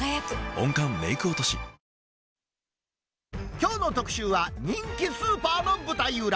きょうの特集は、人気スーパーの舞台裏。